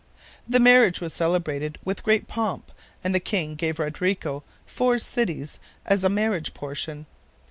The marriage was celebrated with great pomp and the king gave Rodrigo four cities as a marriage portion.